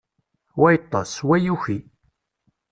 Wa yeṭṭes, wa yuki.